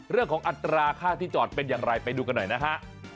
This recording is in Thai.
อัตราค่าที่จอดเป็นอย่างไรไปดูกันหน่อยนะฮะ